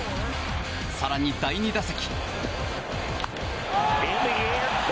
更に第２打席。